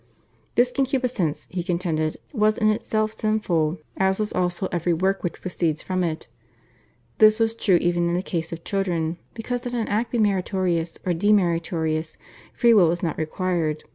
This concupiscence, he contended, was in itself sinful, as was also every work which proceeds from it. This was true even in case of children, because that an act be meritorious or demeritorious Free will was not required.